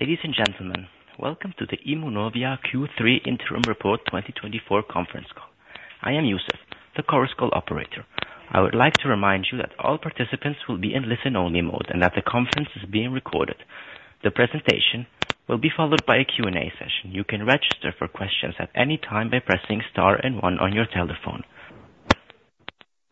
Ladies and gentlemen, welcome to the Immunovia Q3 Interim Report 2024 conference call. I am Yusuf, the Chorus Call operator. I would like to remind you that all participants will be in listen-only mode and that the conference is being recorded. The presentation will be followed by a Q&A session. You can register for questions at any time by pressing star and one on your telephone.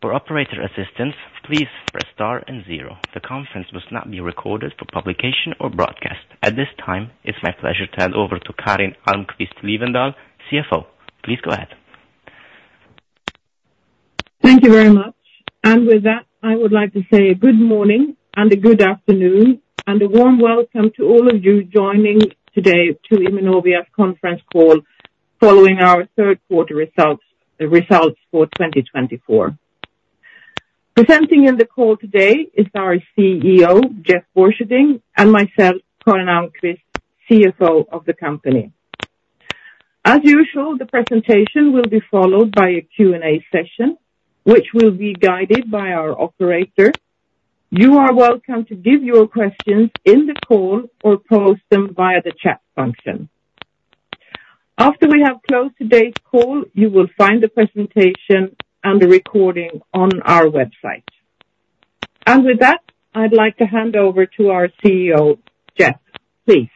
For operator assistance, please press star and zero. The conference must not be recorded for publication or broadcast. At this time, it's my pleasure to hand over to Karin Almqvist Liewendahl, CFO. Please go ahead. Thank you very much. And with that, I would like to say a good morning and a good afternoon and a warm welcome to all of you joining today to Immunovia's conference call following our third quarter results for 2024. Presenting in the call today is our CEO, Jeff Borcherding, and myself, Karin Almqvist, CFO of the company. As usual, the presentation will be followed by a Q&A session, which will be guided by our operator. You are welcome to give your questions in the call or post them via the chat function. After we have closed today's call, you will find the presentation and the recording on our website. And with that, I'd like to hand over to our CEO, Jeff. Please.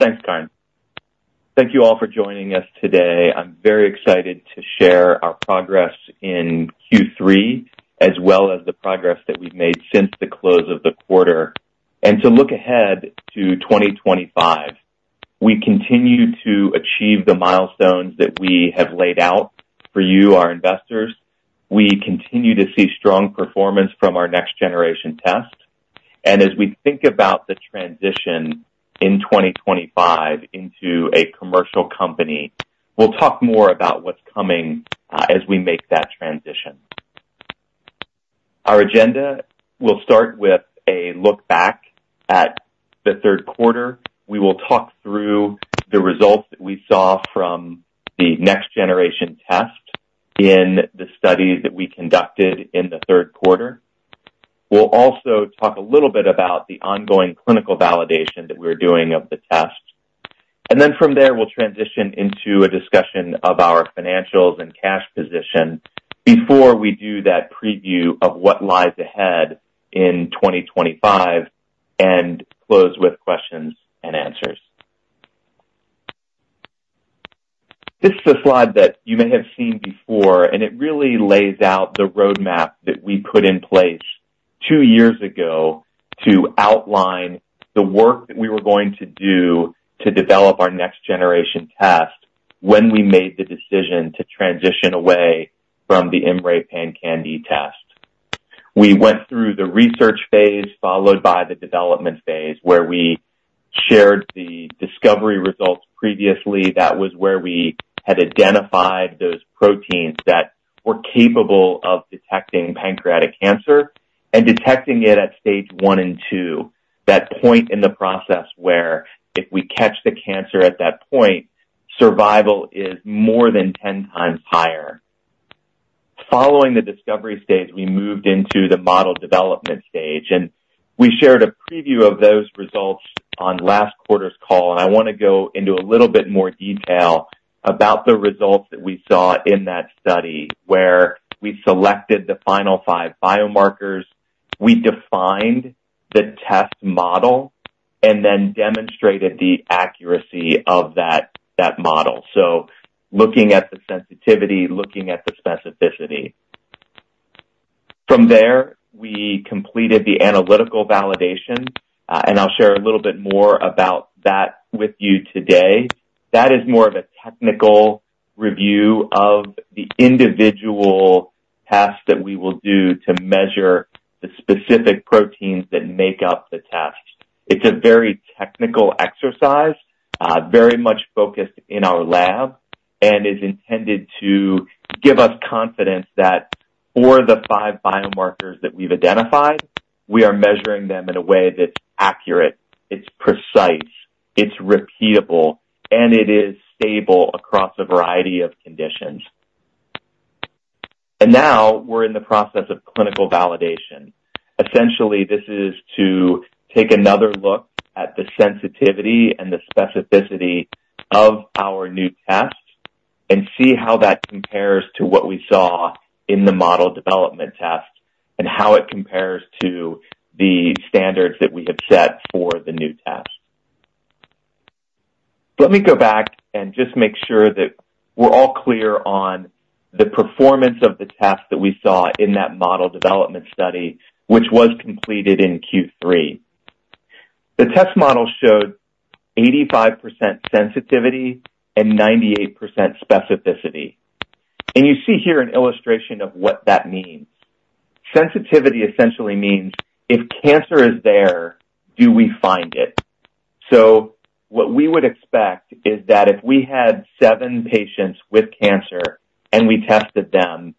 Thanks, Karin. Thank you all for joining us today. I'm very excited to share our progress in Q3, as well as the progress that we've made since the close of the quarter, and to look ahead to 2025. We continue to achieve the milestones that we have laid out for you, our investors. We continue to see strong performance from our next-generation test, and as we think about the transition in 2025 into a commercial company, we'll talk more about what's coming as we make that transition. Our agenda will start with a look back at the third quarter. We will talk through the results that we saw from the next-generation test in the studies that we conducted in the third quarter. We'll also talk a little bit about the ongoing clinical validation that we're doing of the test. Then from there, we'll transition into a discussion of our financials and cash position. Before we do that, preview of what lies ahead in 2025 and close with questions and answers. This is a slide that you may have seen before, and it really lays out the roadmap that we put in place two years ago to outline the work that we were going to do to develop our next-generation test when we made the decision to transition away from the IMMray PanCan-d test. We went through the research phase, followed by the development phase, where we shared the discovery results previously. That was where we had identified those proteins that were capable of detecting pancreatic cancer and detecting it at stage one and two, that point in the process where if we catch the cancer at that point, survival is more than 10 times higher. Following the discovery stage, we moved into the model development stage, and we shared a preview of those results on last quarter's call, and I want to go into a little bit more detail about the results that we saw in that study, where we selected the final five biomarkers, we defined the test model, and then demonstrated the accuracy of that model, so looking at the sensitivity, looking at the specificity. From there, we completed the analytical validation, and I'll share a little bit more about that with you today. That is more of a technical review of the individual tests that we will do to measure the specific proteins that make up the test. It's a very technical exercise, very much focused in our lab, and is intended to give us confidence that for the five biomarkers that we've identified, we are measuring them in a way that's accurate, it's precise, it's repeatable, and it is stable across a variety of conditions. And now we're in the process of clinical validation. Essentially, this is to take another look at the sensitivity and the specificity of our new test and see how that compares to what we saw in the model development test and how it compares to the standards that we have set for the new test. Let me go back and just make sure that we're all clear on the performance of the test that we saw in that model development study, which was completed in Q3. The test model showed 85% sensitivity and 98% specificity. You see here an illustration of what that means. Sensitivity essentially means if cancer is there, do we find it? So what we would expect is that if we had seven patients with cancer and we tested them,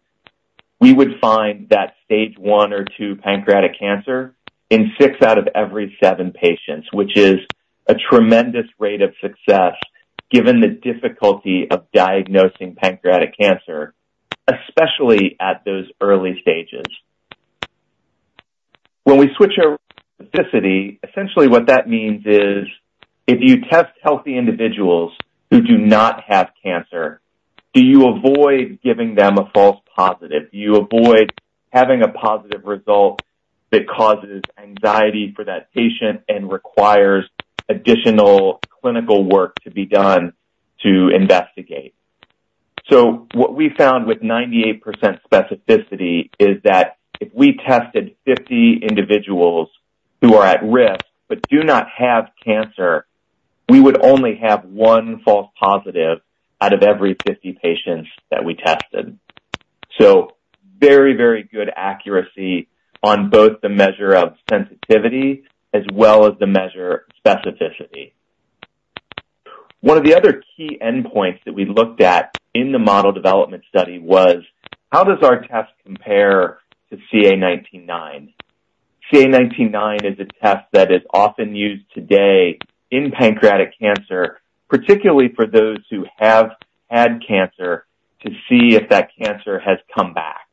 we would find that stage one or two pancreatic cancer in six out of every seven patients, which is a tremendous rate of success given the difficulty of diagnosing pancreatic cancer, especially at those early stages. When we switch our specificity, essentially what that means is if you test healthy individuals who do not have cancer, do you avoid giving them a false positive? Do you avoid having a positive result that causes anxiety for that patient and requires additional clinical work to be done to investigate? So what we found with 98% specificity is that if we tested 50 individuals who are at risk but do not have cancer, we would only have one false positive out of every 50 patients that we tested. So very, very good accuracy on both the measure of sensitivity as well as the measure of specificity. One of the other key endpoints that we looked at in the model development study was how does our test compare to CA19-9? CA19-9 is a test that is often used today in pancreatic cancer, particularly for those who have had cancer, to see if that cancer has come back.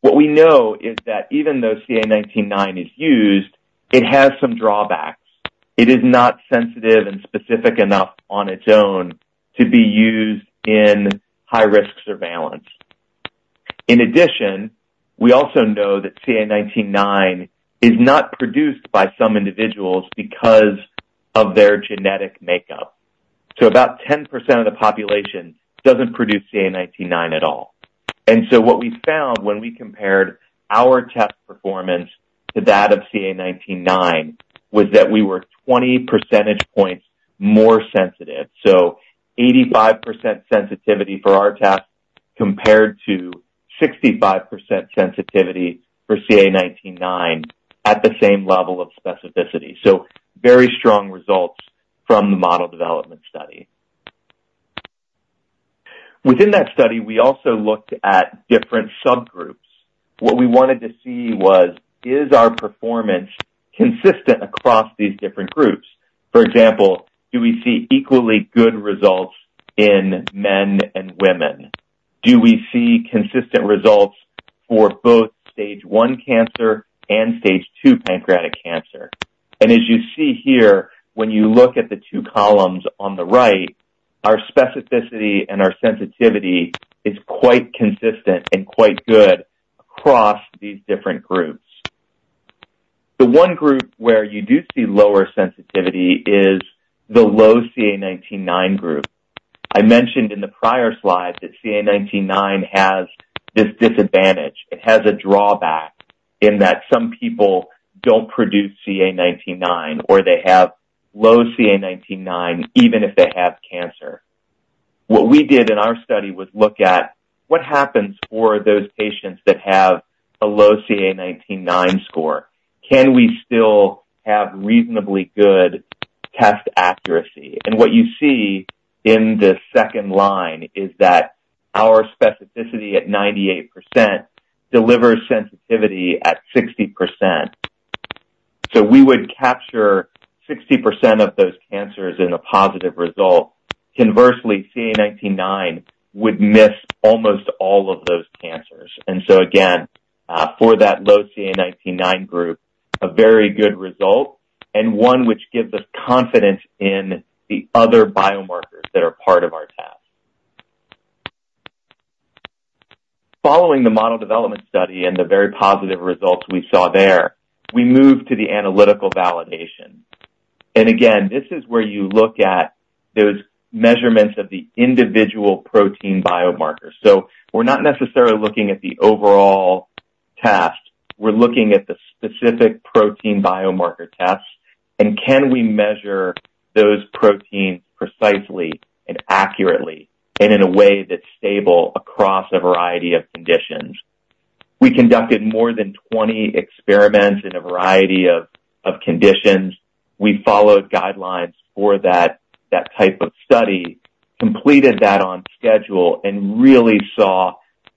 What we know is that even though CA19-9 is used, it has some drawbacks. It is not sensitive and specific enough on its own to be used in high-risk surveillance. In addition, we also know that CA19-9 is not produced by some individuals because of their genetic makeup. So about 10% of the population doesn't produce CA19-9 at all. And so what we found when we compared our test performance to that of CA19-9 was that we were 20 percentage points more sensitive. So 85% sensitivity for our test compared to 65% sensitivity for CA19-9 at the same level of specificity. So very strong results from the model development study. Within that study, we also looked at different subgroups. What we wanted to see was, is our performance consistent across these different groups? For example, do we see equally good results in men and women? Do we see consistent results for both stage one cancer and stage two pancreatic cancer? As you see here, when you look at the two columns on the right, our specificity and our sensitivity is quite consistent and quite good across these different groups. The one group where you do see lower sensitivity is the low CA19-9 group. I mentioned in the prior slide that CA19-9 has this disadvantage. It has a drawback in that some people don't produce CA19-9 or they have low CA19-9 even if they have cancer. What we did in our study was look at what happens for those patients that have a low CA19-9 score. Can we still have reasonably good test accuracy? And what you see in the second line is that our specificity at 98% delivers sensitivity at 60%. So we would capture 60% of those cancers in a positive result. Conversely, CA19-9 would miss almost all of those cancers. And so again, for that low CA19-9 group, a very good result and one which gives us confidence in the other biomarkers that are part of our test. Following the model development study and the very positive results we saw there, we moved to the analytical validation. And again, this is where you look at those measurements of the individual protein biomarkers. So we're not necessarily looking at the overall test. We're looking at the specific protein biomarker test. And can we measure those proteins precisely and accurately and in a way that's stable across a variety of conditions? We conducted more than 20 experiments in a variety of conditions. We followed guidelines for that type of study, completed that on schedule, and really saw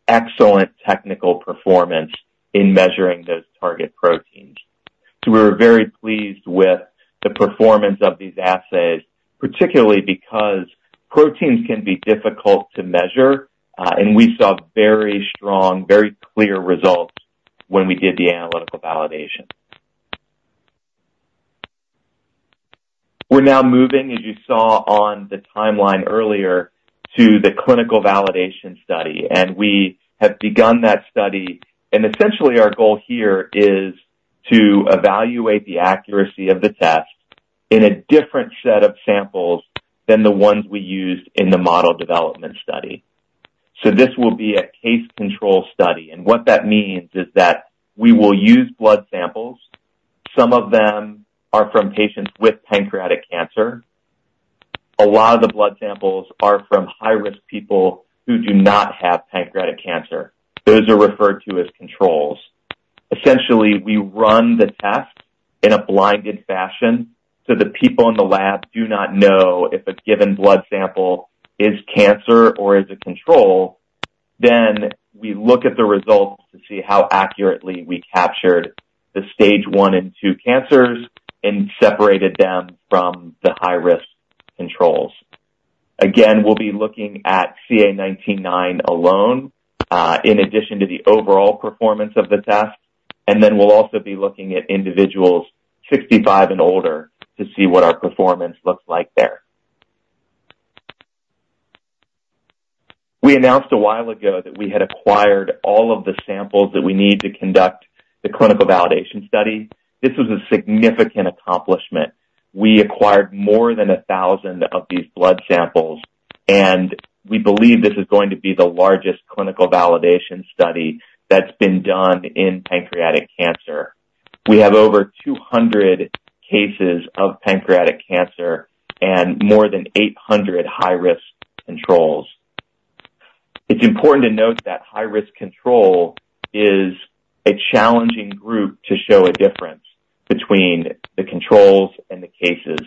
excellent technical performance in measuring those target proteins. We were very pleased with the performance of these assays, particularly because proteins can be difficult to measure, and we saw very strong, very clear results when we did the analytical validation. We're now moving, as you saw on the timeline earlier, to the clinical validation study. We have begun that study. Essentially, our goal here is to evaluate the accuracy of the test in a different set of samples than the ones we used in the model development study. This will be a case-control study. What that means is that we will use blood samples. Some of them are from patients with pancreatic cancer. A lot of the blood samples are from high-risk people who do not have pancreatic cancer. Those are referred to as controls. Essentially, we run the test in a blinded fashion so the people in the lab do not know if a given blood sample is cancer or is a control. Then we look at the results to see how accurately we captured the stage one and two cancers and separated them from the high-risk controls. Again, we'll be looking at CA19-9 alone in addition to the overall performance of the test, then we'll also be looking at individuals 65 and older to see what our performance looks like there. We announced a while ago that we had acquired all of the samples that we need to conduct the clinical validation study. This was a significant accomplishment. We acquired more than 1,000 of these blood samples, and we believe this is going to be the largest clinical validation study that's been done in pancreatic cancer. We have over 200 cases of pancreatic cancer and more than 800 high-risk controls. It's important to note that high-risk control is a challenging group to show a difference between the controls and the cases.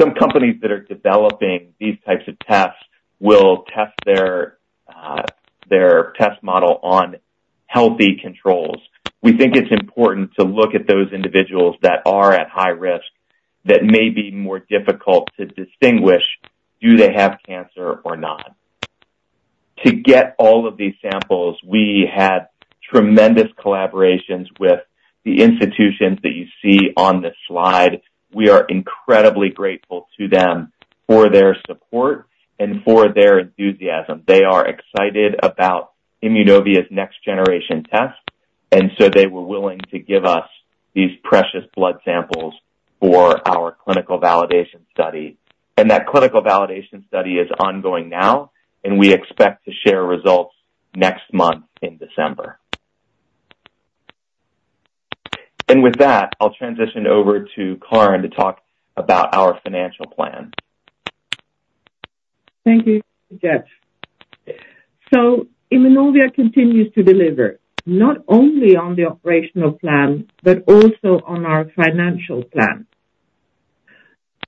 Some companies that are developing these types of tests will test their test model on healthy controls. We think it's important to look at those individuals that are at high risk that may be more difficult to distinguish, do they have cancer or not. To get all of these samples, we had tremendous collaborations with the institutions that you see on the slide. We are incredibly grateful to them for their support and for their enthusiasm. They are excited about Immunovia's next-generation test. And so they were willing to give us these precious blood samples for our clinical validation study. And that clinical validation study is ongoing now, and we expect to share results next month in December. With that, I'll transition over to Karin to talk about our financial plan. Thank you, Jeff. So Immunovia continues to deliver, not only on the operational plan but also on our financial plan.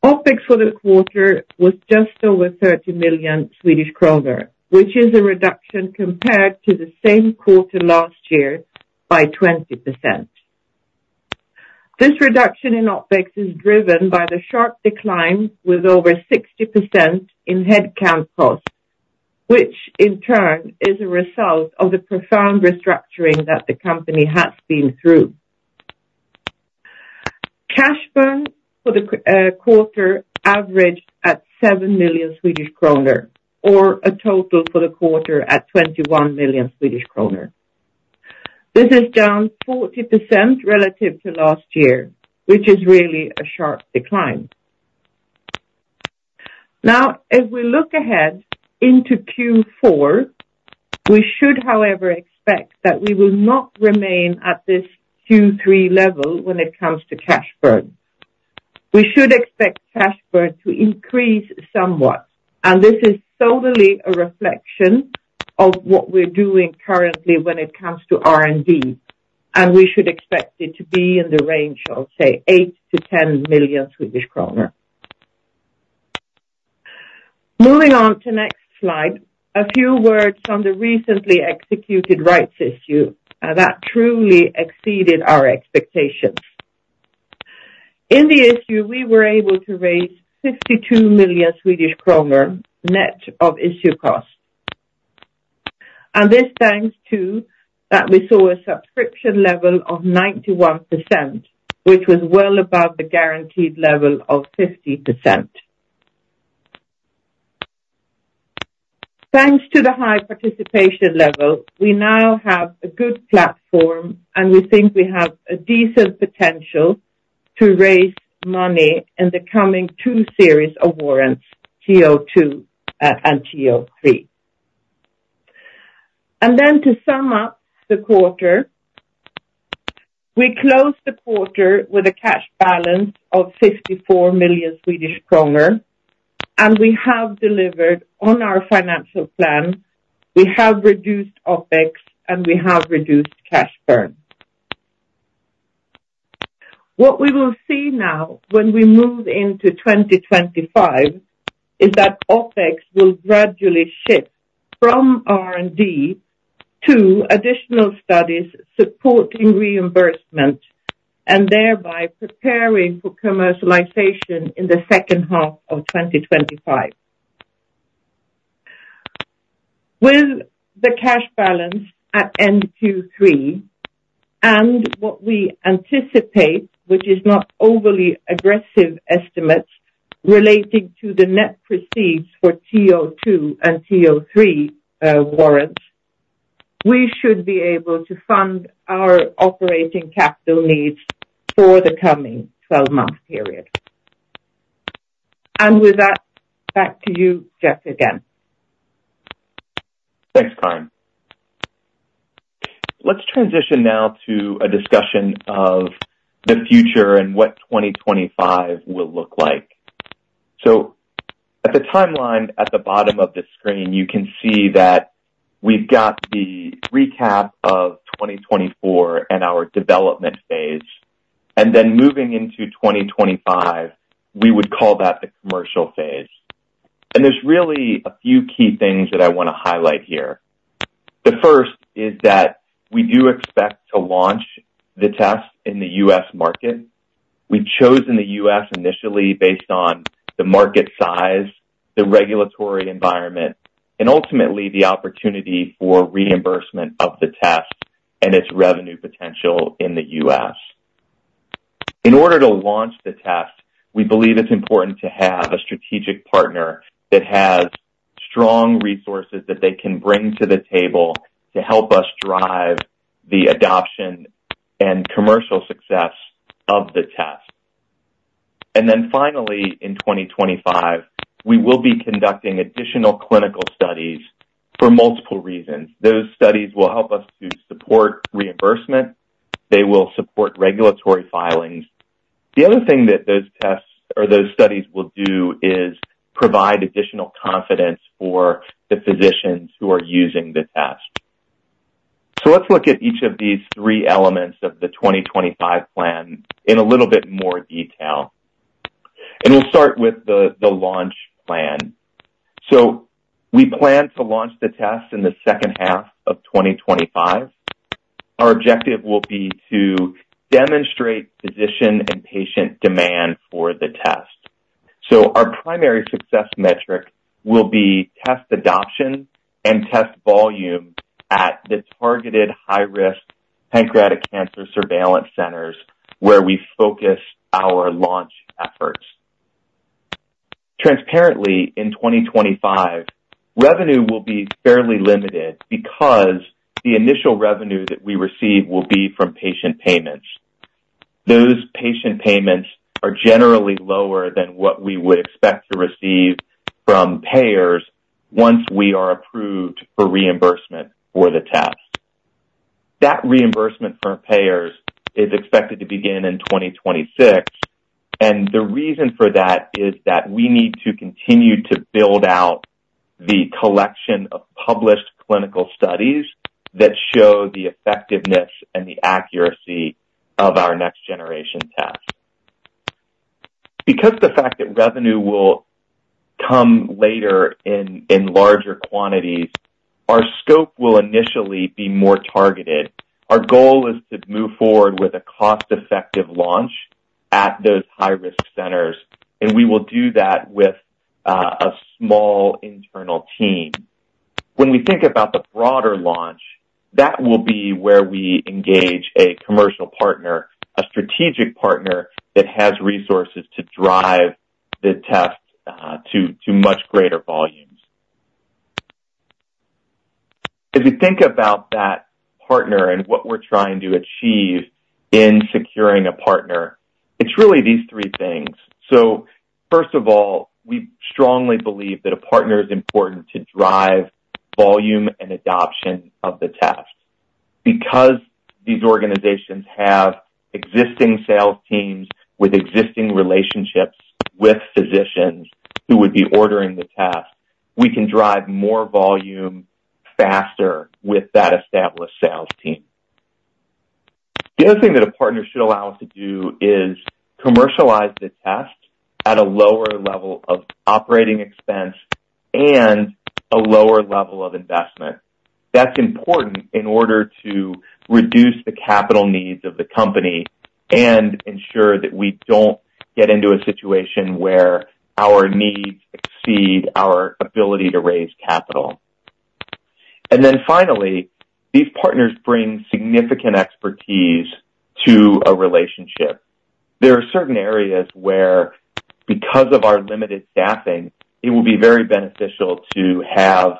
OpEx for the quarter was just over 30 million Swedish kronor, which is a reduction compared to the same quarter last year by 20%. This reduction in OpEx is driven by the sharp decline with over 60% in headcount costs, which in turn is a result of the profound restructuring that the company has been through. Cash burn for the quarter averaged at 7 million Swedish kronor, or a total for the quarter at 21 million Swedish kronor. This is down 40% relative to last year, which is really a sharp decline. Now, as we look ahead into Q4, we should, however, expect that we will not remain at this Q3 level when it comes to cash burn. We should expect cash burn to increase somewhat. This is solely a reflection of what we're doing currently when it comes to R&D. We should expect it to be in the range of, say, 8 million-10 million Swedish kronor. Moving on to the next slide, a few words on the recently executed rights issue that truly exceeded our expectations. In the issue, we were able to raise 52 million Swedish kronor net of issue costs. This thanks to that we saw a subscription level of 91%, which was well above the guaranteed level of 50%. Thanks to the high participation level, we now have a good platform, and we think we have a decent potential to raise money in the coming two series of warrants, TO2 and TO3. To sum up the quarter, we closed the quarter with a cash balance of 54 million Swedish kronor. We have delivered on our financial plan. We have reduced OpEx, and we have reduced cash burn. What we will see now when we move into 2025 is that OpEx will gradually shift from R&D to additional studies supporting reimbursement and thereby preparing for commercialization in the second half of 2025. With the cash balance at end Q3 and what we anticipate, which is not overly aggressive estimates relating to the net proceeds for TO2 and TO3 warrants, we should be able to fund our operating capital needs for the coming 12-month period. With that, back to you, Jeff, again. Thanks, Karin. Let's transition now to a discussion of the future and what 2025 will look like. At the timeline at the bottom of the screen, you can see that we've got the recap of 2024 and our development phase. Then moving into 2025, we would call that the commercial phase. There's really a few key things that I want to highlight here. The first is that we do expect to launch the test in the U.S. market. We chose the U.S. initially based on the market size, the regulatory environment, and ultimately the opportunity for reimbursement of the test and its revenue potential in the U.S. In order to launch the test, we believe it's important to have a strategic partner that has strong resources that they can bring to the table to help us drive the adoption and commercial success of the test. And then finally, in 2025, we will be conducting additional clinical studies for multiple reasons. Those studies will help us to support reimbursement. They will support regulatory filings. The other thing that those tests or those studies will do is provide additional confidence for the physicians who are using the test. So let's look at each of these three elements of the 2025 plan in a little bit more detail. And we'll start with the launch plan. So we plan to launch the test in the second half of 2025. Our objective will be to demonstrate physician and patient demand for the test. So our primary success metric will be test adoption and test volume at the targeted high-risk pancreatic cancer surveillance centers where we focus our launch efforts. Transparently, in 2025, revenue will be fairly limited because the initial revenue that we receive will be from patient payments. Those patient payments are generally lower than what we would expect to receive from payers once we are approved for reimbursement for the test. That reimbursement for payers is expected to begin in 2026, and the reason for that is that we need to continue to build out the collection of published clinical studies that show the effectiveness and the accuracy of our next-generation test. Because the fact that revenue will come later in larger quantities, our scope will initially be more targeted. Our goal is to move forward with a cost-effective launch at those high-risk centers, and we will do that with a small internal team. When we think about the broader launch, that will be where we engage a commercial partner, a strategic partner that has resources to drive the test to much greater volumes. As we think about that partner and what we're trying to achieve in securing a partner, it's really these three things. So first of all, we strongly believe that a partner is important to drive volume and adoption of the test. Because these organizations have existing sales teams with existing relationships with physicians who would be ordering the test, we can drive more volume faster with that established sales team. The other thing that a partner should allow us to do is commercialize the test at a lower level of operating expense and a lower level of investment. That's important in order to reduce the capital needs of the company and ensure that we don't get into a situation where our needs exceed our ability to raise capital. And then finally, these partners bring significant expertise to a relationship. There are certain areas where, because of our limited staffing, it will be very beneficial to have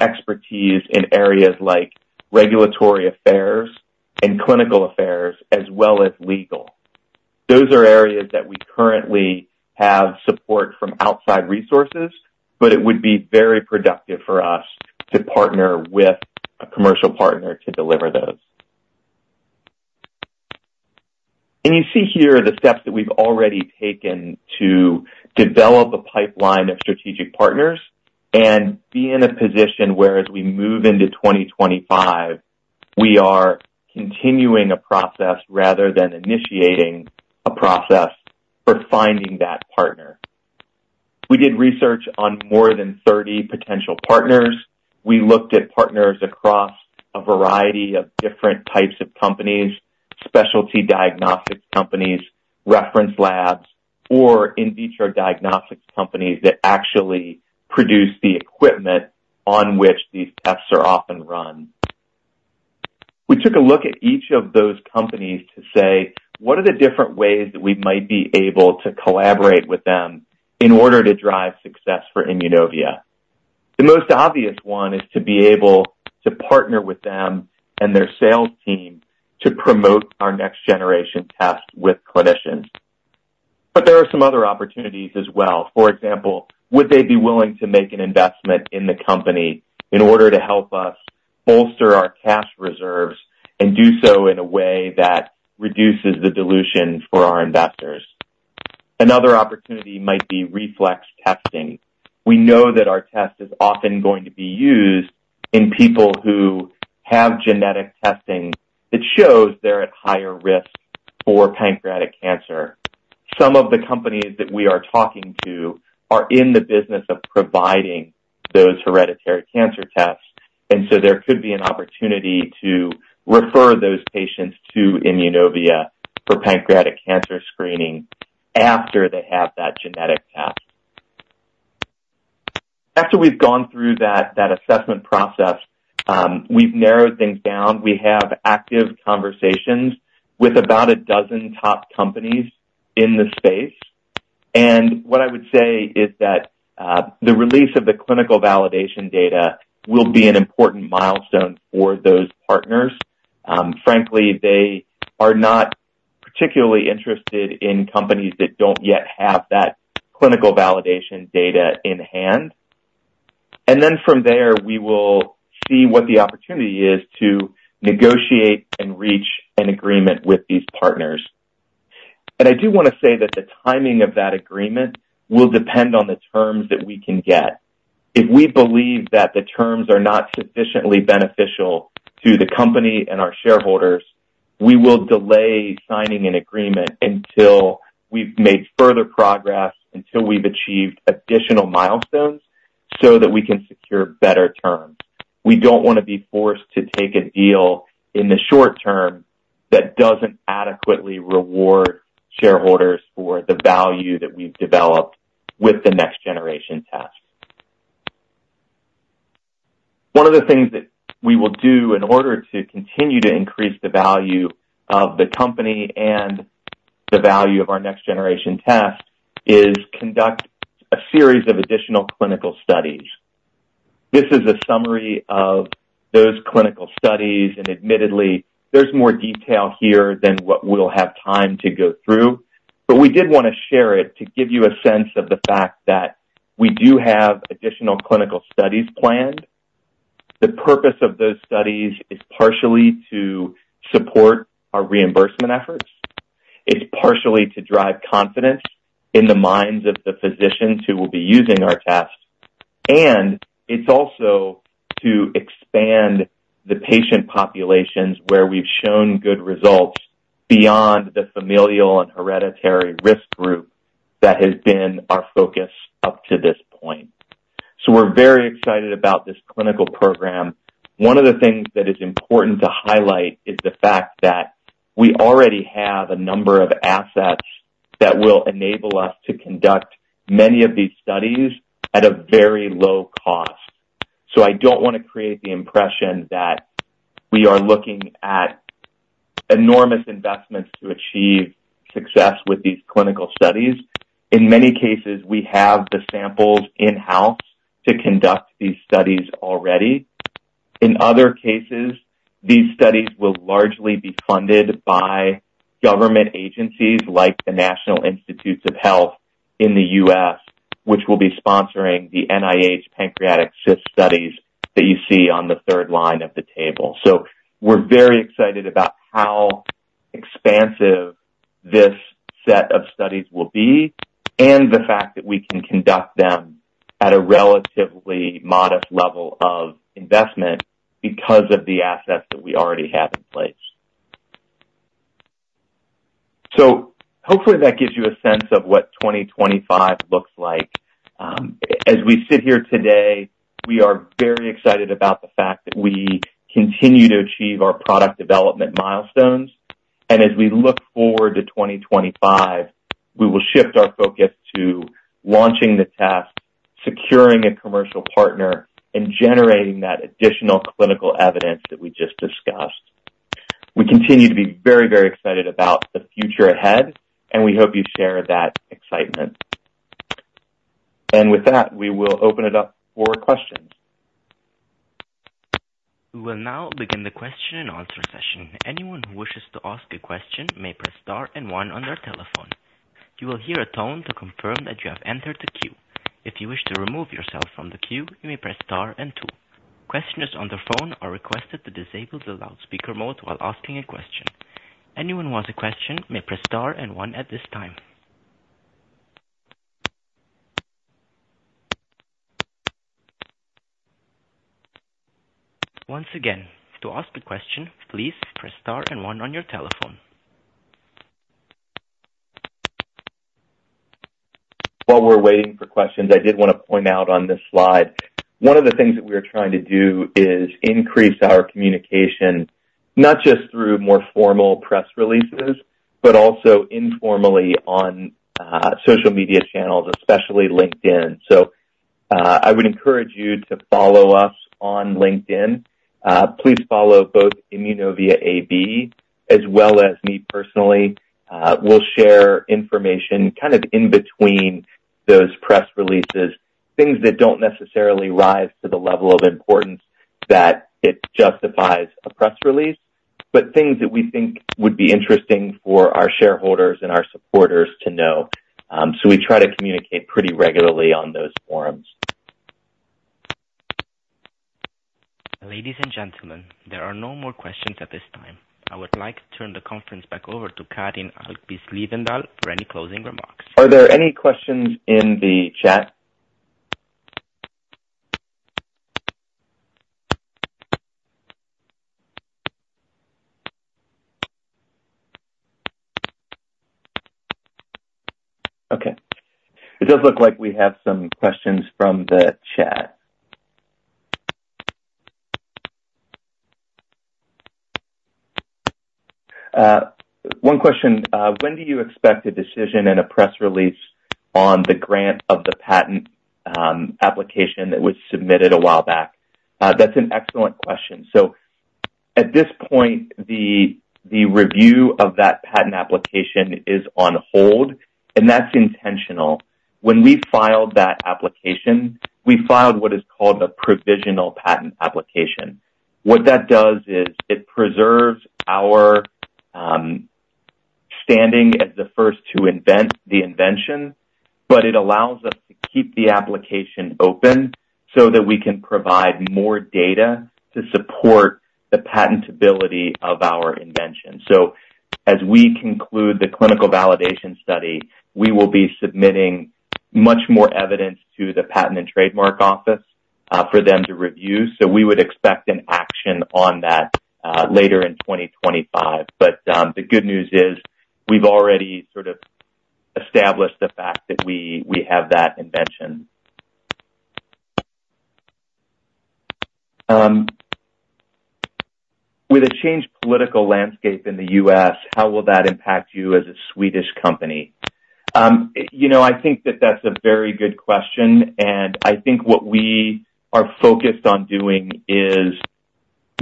expertise in areas like regulatory affairs and clinical affairs as well as legal. Those are areas that we currently have support from outside resources, but it would be very productive for us to partner with a commercial partner to deliver those, and you see here the steps that we've already taken to develop a pipeline of strategic partners and be in a position where, as we move into 2025, we are continuing a process rather than initiating a process for finding that partner. We did research on more than 30 potential partners. We looked at partners across a variety of different types of companies, specialty diagnostics companies, reference labs, or in vitro diagnostics companies that actually produce the equipment on which these tests are often run. We took a look at each of those companies to say, "What are the different ways that we might be able to collaborate with them in order to drive success for Immunovia?" The most obvious one is to be able to partner with them and their sales team to promote our next-generation test with clinicians. But there are some other opportunities as well. For example, would they be willing to make an investment in the company in order to help us bolster our cash reserves and do so in a way that reduces the dilution for our investors? Another opportunity might be reflex testing. We know that our test is often going to be used in people who have genetic testing that shows they're at higher risk for pancreatic cancer. Some of the companies that we are talking to are in the business of providing those hereditary cancer tests. There could be an opportunity to refer those patients to Immunovia for pancreatic cancer screening after they have that genetic test. After we've gone through that assessment process, we've narrowed things down. We have active conversations with about a dozen top companies in the space. What I would say is that the release of the clinical validation data will be an important milestone for those partners. Frankly, they are not particularly interested in companies that don't yet have that clinical validation data in hand. From there, we will see what the opportunity is to negotiate and reach an agreement with these partners. I do want to say that the timing of that agreement will depend on the terms that we can get. If we believe that the terms are not sufficiently beneficial to the company and our shareholders, we will delay signing an agreement until we've made further progress, until we've achieved additional milestones so that we can secure better terms. We don't want to be forced to take a deal in the short term that doesn't adequately reward shareholders for the value that we've developed with the next-generation test. One of the things that we will do in order to continue to increase the value of the company and the value of our next-generation test is conduct a series of additional clinical studies. This is a summary of those clinical studies. And admittedly, there's more detail here than what we'll have time to go through. But we did want to share it to give you a sense of the fact that we do have additional clinical studies planned. The purpose of those studies is partially to support our reimbursement efforts. It's partially to drive confidence in the minds of the physicians who will be using our test, and it's also to expand the patient populations where we've shown good results beyond the familial and hereditary risk group that has been our focus up to this point, so we're very excited about this clinical program. One of the things that is important to highlight is the fact that we already have a number of assets that will enable us to conduct many of these studies at a very low cost, so I don't want to create the impression that we are looking at enormous investments to achieve success with these clinical studies. In many cases, we have the samples in-house to conduct these studies already. In other cases, these studies will largely be funded by government agencies like the National Institutes of Health in the U.S., which will be sponsoring the NIH Pancreatic Cyst Studies that you see on the third line of the table, so we're very excited about how expansive this set of studies will be and the fact that we can conduct them at a relatively modest level of investment because of the assets that we already have in place. So hopefully, that gives you a sense of what 2025 looks like. As we sit here today, we are very excited about the fact that we continue to achieve our product development milestones, and as we look forward to 2025, we will shift our focus to launching the test, securing a commercial partner, and generating that additional clinical evidence that we just discussed. We continue to be very, very excited about the future ahead, and we hope you share that excitement. And with that, we will open it up for questions. We will now begin the question-and-answer session. Anyone who wishes to ask a question may press star and one on their telephone. You will hear a tone to confirm that you have entered the queue. If you wish to remove yourself from the queue, you may press star and two. Questioners on the phone are requested to disable the loudspeaker mode while asking a question. Anyone who has a question may press star and one at this time. Once again, to ask a question, please press star and one on your telephone. While we're waiting for questions, I did want to point out on this slide, one of the things that we are trying to do is increase our communication, not just through more formal press releases, but also informally on social media channels, especially LinkedIn. So I would encourage you to follow us on LinkedIn. Please follow both Immunovia AB as well as me personally. We'll share information kind of in between those press releases, things that don't necessarily rise to the level of importance that it justifies a press release, but things that we think would be interesting for our shareholders and our supporters to know. So we try to communicate pretty regularly on those forums. Ladies and gentlemen, there are no more questions at this time. I would like to turn the conference back over to Karin Almqvist Liewendahl for any closing remarks. Are there any questions in the chat? Okay. It does look like we have some questions from the chat. One question. When do you expect a decision and a press release on the grant of the patent application that was submitted a while back? That's an excellent question. So at this point, the review of that patent application is on hold, and that's intentional. When we filed that application, we filed what is called a provisional patent application. What that does is it preserves our standing as the first to invent the invention, but it allows us to keep the application open so that we can provide more data to support the patentability of our invention. So as we conclude the clinical validation study, we will be submitting much more evidence to the Patent and Trademark Office for them to review. So we would expect an action on that later in 2025. But the good news is we've already sort of established the fact that we have that invention. With a changed political landscape in the U.S., how will that impact you as a Swedish company? I think that that's a very good question. And I think what we are focused on doing is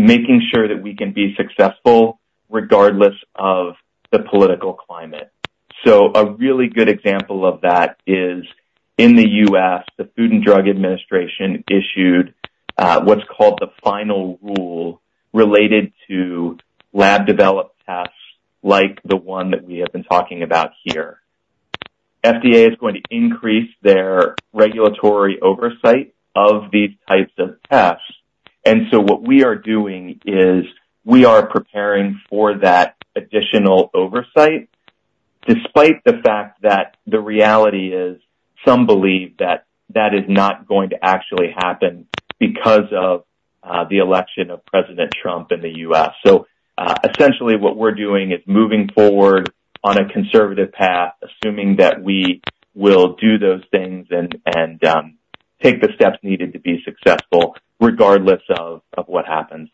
making sure that we can be successful regardless of the political climate. So a really good example of that is in the U.S., the Food and Drug Administration issued what's called the final rule related to lab-developed tests like the one that we have been talking about here. FDA is going to increase their regulatory oversight of these types of tests. What we are doing is we are preparing for that additional oversight despite the fact that the reality is some believe that that is not going to actually happen because of the election of President Trump in the U.S. So essentially, what we're doing is moving forward on a conservative path, assuming that we will do those things and take the steps needed to be successful regardless of what happens.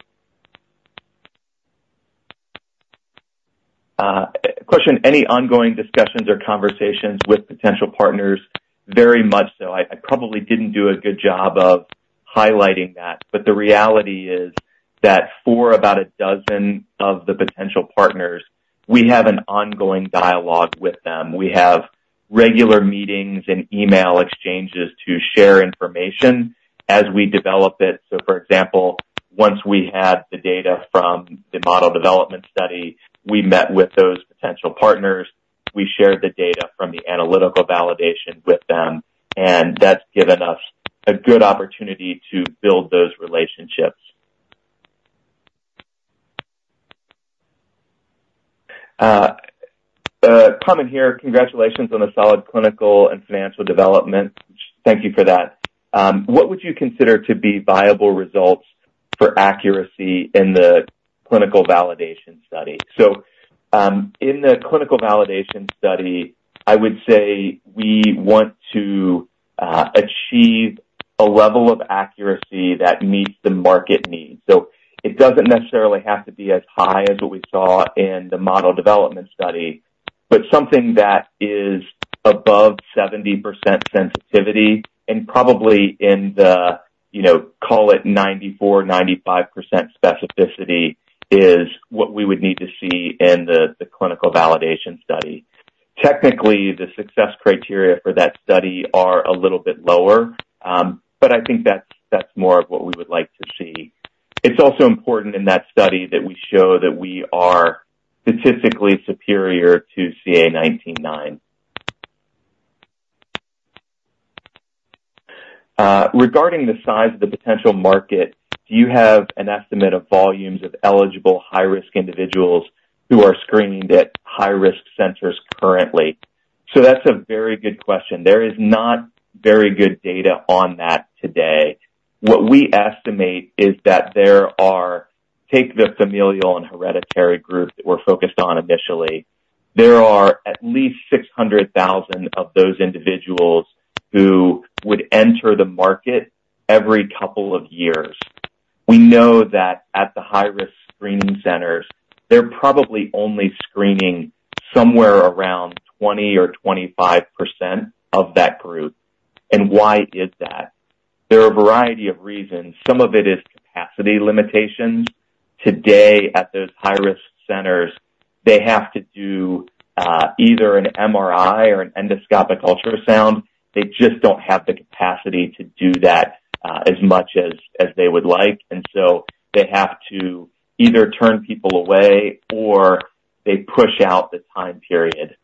Question. Any ongoing discussions or conversations with potential partners? Very much so. I probably didn't do a good job of highlighting that. But the reality is that for about a dozen of the potential partners, we have an ongoing dialogue with them. We have regular meetings and email exchanges to share information as we develop it. So for example, once we had the data from the model development study, we met with those potential partners. We shared the data from the analytical validation with them. And that's given us a good opportunity to build those relationships. Carmen here, congratulations on the solid clinical and financial development. Thank you for that. What would you consider to be viable results for accuracy in the clinical validation study? So in the clinical validation study, I would say we want to achieve a level of accuracy that meets the market needs. So it doesn't necessarily have to be as high as what we saw in the model development study, but something that is above 70% sensitivity and probably in the, call it 94%-95% specificity is what we would need to see in the clinical validation study. Technically, the success criteria for that study are a little bit lower, but I think that's more of what we would like to see. It's also important in that study that we show that we are statistically superior to CA19-9. Regarding the size of the potential market, do you have an estimate of volumes of eligible high-risk individuals who are screened at high-risk centers currently? So that's a very good question. There is not very good data on that today. What we estimate is that there are, take the familial and hereditary group that we're focused on initially, there are at least 600,000 of those individuals who would enter the market every couple of years. We know that at the high-risk screening centers, they're probably only screening somewhere around 20% or 25% of that group. And why is that? There are a variety of reasons. Some of it is capacity limitations. Today, at those high-risk centers, they have to do either an MRI or an endoscopic ultrasound. They just don't have the capacity to do that as much as they would like, and so they have to either turn people away or they push out the time period.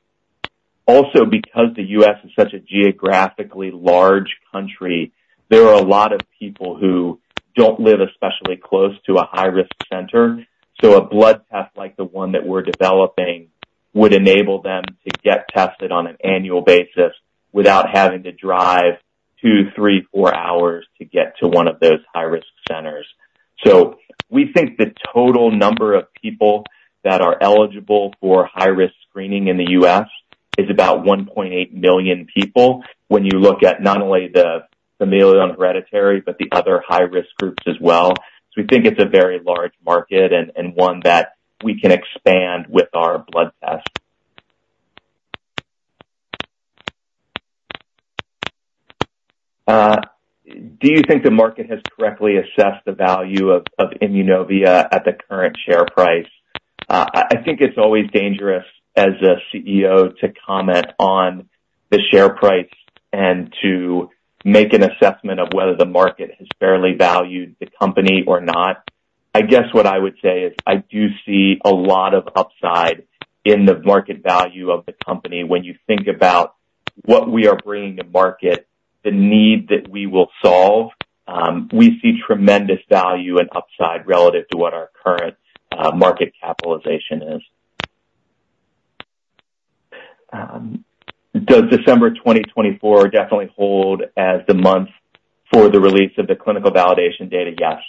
Also, because the U.S. is such a geographically large country, there are a lot of people who don't live especially close to a high-risk center, so a blood test like the one that we're developing would enable them to get tested on an annual basis without having to drive two, three, four hours to get to one of those high-risk centers, so we think the total number of people that are eligible for high-risk screening in the U.S. is about 1.8 million people when you look at not only the familial and hereditary, but the other high-risk groups as well, so we think it's a very large market and one that we can expand with our blood test. Do you think the market has correctly assessed the value of Immunovia at the current share price? I think it's always dangerous as a CEO to comment on the share price and to make an assessment of whether the market has fairly valued the company or not. I guess what I would say is I do see a lot of upside in the market value of the company when you think about what we are bringing to market, the need that we will solve. We see tremendous value and upside relative to what our current market capitalization is. Does December 2024 definitely hold as the month for the release of the clinical validation data? Yes.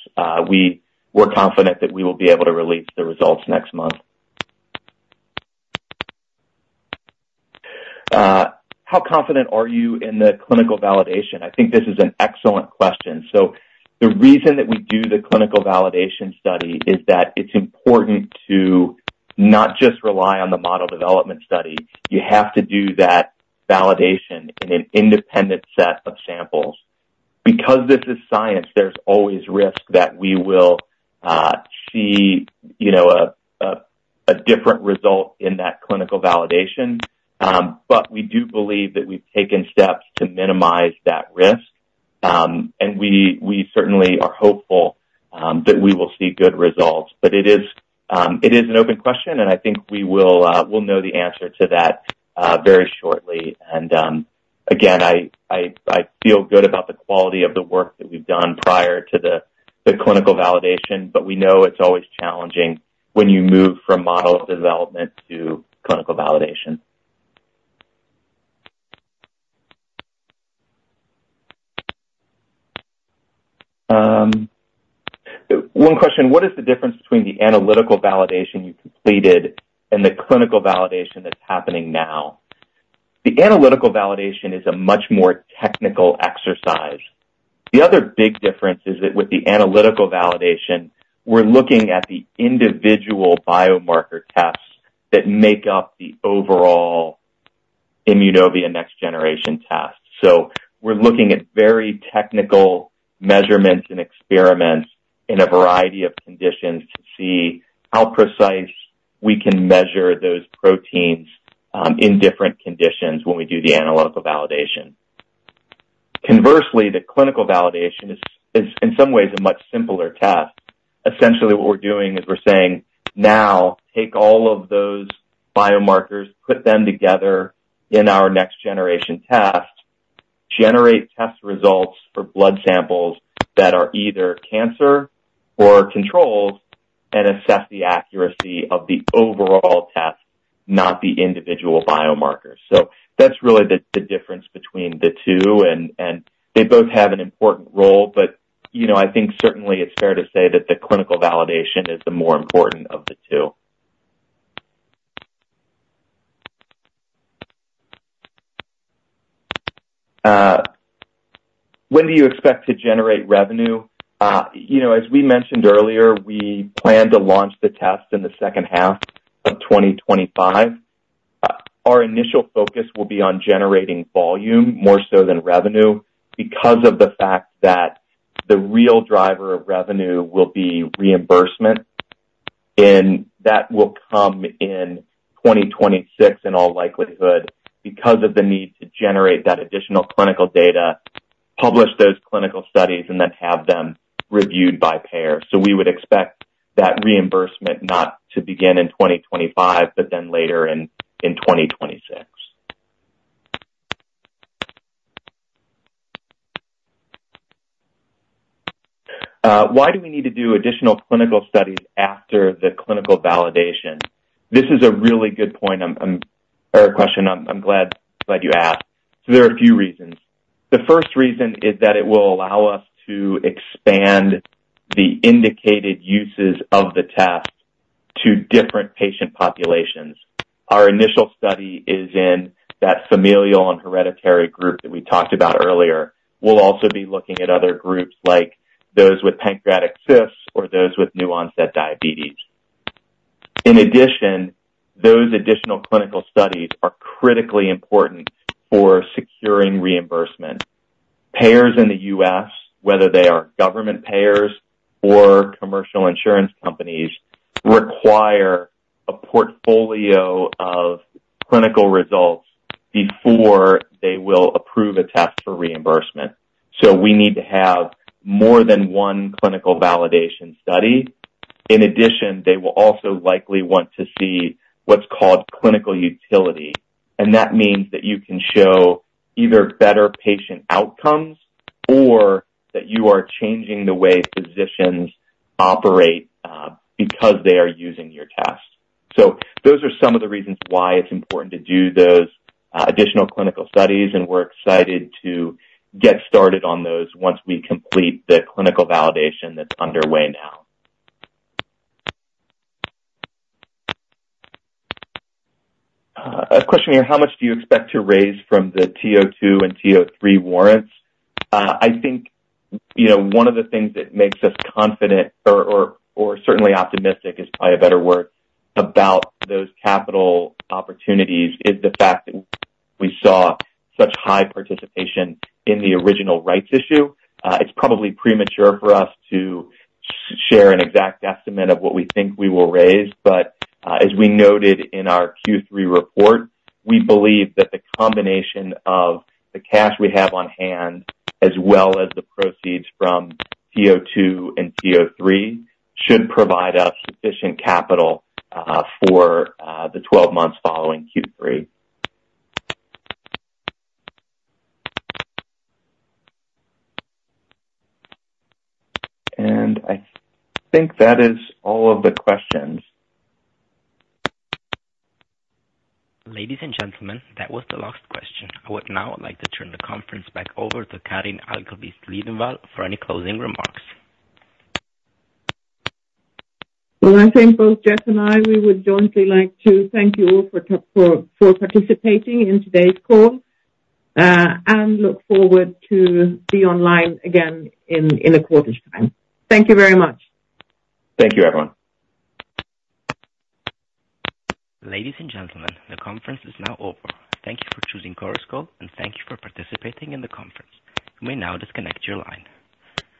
We're confident that we will be able to release the results next month. How confident are you in the clinical validation? I think this is an excellent question. The reason that we do the clinical validation study is that it's important to not just rely on the model development study. You have to do that validation in an independent set of samples. Because this is science, there's always risk that we will see a different result in that clinical validation, but we do believe that we've taken steps to minimize that risk, and we certainly are hopeful that we will see good results, but it is an open question, and I think we'll know the answer to that very shortly. And again, I feel good about the quality of the work that we've done prior to the clinical validation, but we know it's always challenging when you move from model development to clinical validation. One question. What is the difference between the analytical validation you completed and the clinical validation that's happening now? The analytical validation is a much more technical exercise. The other big difference is that with the analytical validation, we're looking at the individual biomarker tests that make up the overall Immunovia next-generation test. So we're looking at very technical measurements and experiments in a variety of conditions to see how precise we can measure those proteins in different conditions when we do the analytical validation. Conversely, the clinical validation is in some ways a much simpler test. Essentially, what we're doing is we're saying, "Now take all of those biomarkers, put them together in our next-generation test, generate test results for blood samples that are either cancer or control, and assess the accuracy of the overall test, not the individual biomarkers." So that's really the difference between the two. And they both have an important role, but I think certainly it's fair to say that the clinical validation is the more important of the two. When do you expect to generate revenue? As we mentioned earlier, we plan to launch the test in the second half of 2025. Our initial focus will be on generating volume more so than revenue because of the fact that the real driver of revenue will be reimbursement. And that will come in 2026 in all likelihood because of the need to generate that additional clinical data, publish those clinical studies, and then have them reviewed by payers. So we would expect that reimbursement not to begin in 2025, but then later in 2026. Why do we need to do additional clinical studies after the clinical validation? This is a really good point or question. I'm glad you asked. So there are a few reasons. The first reason is that it will allow us to expand the indicated uses of the test to different patient populations. Our initial study is in that familial and hereditary group that we talked about earlier. We'll also be looking at other groups like those with pancreatic cysts or those with new-onset diabetes. In addition, those additional clinical studies are critically important for securing reimbursement. Payers in the U.S., whether they are government payers or commercial insurance companies, require a portfolio of clinical results before they will approve a test for reimbursement. So we need to have more than one clinical validation study. In addition, they will also likely want to see what's called clinical utility. And that means that you can show either better patient outcomes or that you are changing the way physicians operate because they are using your test. Those are some of the reasons why it's important to do those additional clinical studies. We're excited to get started on those once we complete the clinical validation that's underway now. A question here. How much do you expect to raise from the TO2 and TO3 warrants? I think one of the things that makes us confident or certainly optimistic is probably a better word about those capital opportunities is the fact that we saw such high participation in the original rights issue. It's probably premature for us to share an exact estimate of what we think we will raise. But as we noted in our Q3 report, we believe that the combination of the cash we have on hand as well as the proceeds from TO2 and TO3 should provide us sufficient capital for the 12 months following Q3. I think that is all of the questions. Ladies and gentlemen, that was the last question. I would now like to turn the conference back over to Karin Almqvist Liewendahl for any closing remarks. I think both Jeff and I, we would jointly like to thank you all for participating in today's call and look forward to be online again in a quarter's time. Thank you very much. Thank you, everyone. Ladies and gentlemen, the conference is now over. Thank you for choosing Chorus Call, and thank you for participating in the conference. You may now disconnect your line.